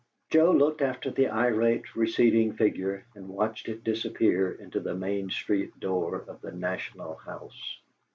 Joe looked after the irate, receding figure, and watched it disappear into the Main Street door of the "National House."